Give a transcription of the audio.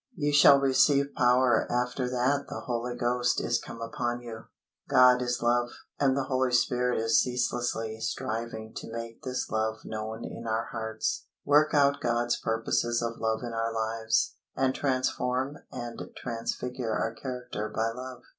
"Ye shall receive power after that the Holy Ghost is come upon you." God is love, and the Holy Spirit is ceaselessly striving to make this love known in our hearts, work out God's purposes of love in our lives, and transform and transfigure our character by love.